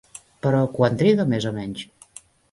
Però, quant triga més o menys?